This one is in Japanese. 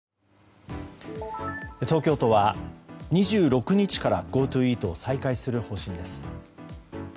東京都は２６日からＧｏＴｏイートを再開する方針です。